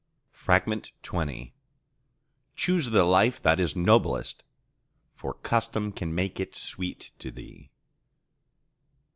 XX Choose the life that is noblest, for custom can make it sweet to thee.